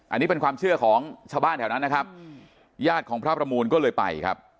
อันนี้เป็นความเชื่อของชาวบ้านแถวนั้นนะครับญาติของพระประมูลก็เลยไปครับ